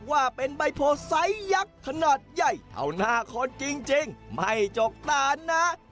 ว่าเป็นใบโพไซส์ยักษ์ขนาดใหญ่เท่าหน้าคนจริงไม่จกตานะ